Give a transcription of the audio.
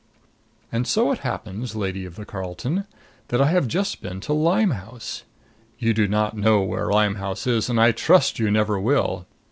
And so it happens, lady of the Carlton, that I have just been to Limehouse. You do not know where Limehouse is and I trust you never will.